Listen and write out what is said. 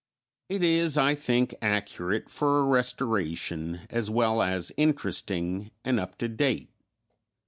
It is, I think, accurate for a restoration as well as interesting and up to date.